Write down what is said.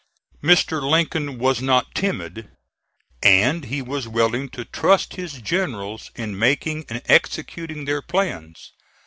Mr. Lincoln was not timid, and he was willing to trust his generals in making and executing their plans.